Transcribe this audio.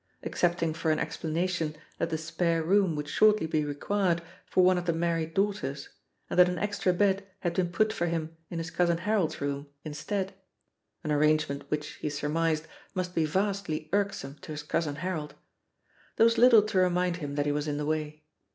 Excepting for an explanation that the spare room would shortly be required for one of the married daughters and that an extra bed had been put for him in his cousin Harold's room, instead — ^an arrangement which, he surmised, must be vastly irksome to his cousin Harold — ^there was little to remind him that he was in the way.